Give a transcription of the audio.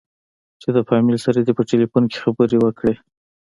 چې د فاميل سره دې په ټېلفون کښې خبرې وکې.